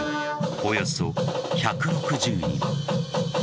およそ１６０人。